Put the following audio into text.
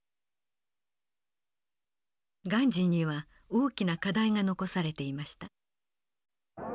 ガンジーには大きな課題が残されていました。